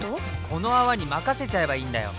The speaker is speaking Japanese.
この泡に任せちゃえばいいんだよ！